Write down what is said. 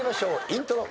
イントロ。